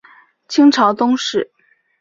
清朝宗室。